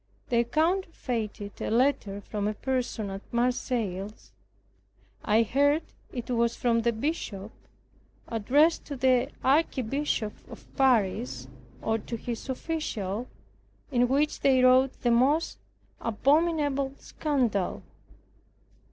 They counterfeited a letter from a person at Marseilles (I heard it was from the Bishop) addressed to the Archbishop of Paris, or to his official, in which they wrote the most abominable scandal.